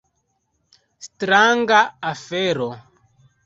Stranga afero.